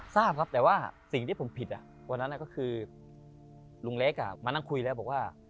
ทราบครับแต่ว่าสิ่งที่ผมผิดวันนั้นก็คือลุงเล็กมานั่งคุยแล้วบอกว่า